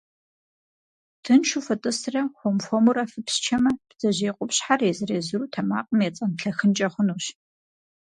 Тыншу фытӏысрэ хуэм-хуэмурэ фыпсчэмэ, бдзэжьей къупщхьэр езыр-езыру тэмакъым ецӏэнлъэхынкӏэ хъунущ.